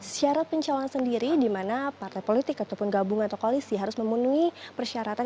syarat pencalonan sendiri di mana partai politik ataupun gabungan atau koalisi harus memenuhi persyaratan